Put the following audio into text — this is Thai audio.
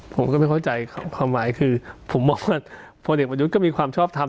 ผมก็ไม่เข้าใจความหมายคือผมมองว่าพลเอกประยุทธ์ก็มีความชอบทำ